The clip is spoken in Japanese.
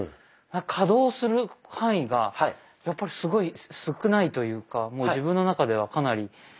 可動する範囲がやっぱりすごい少ないというかもう自分の中ではかなりそこまでいかないですね